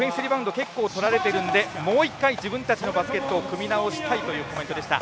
結構、取られているのでもう１回自分たちのバスケットを組み直したいというコメントでした。